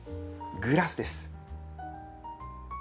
グラスです。